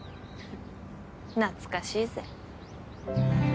懐かしいぜ。